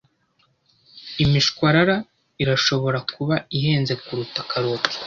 Imishwarara irashobora kuba ihenze kuruta karoti.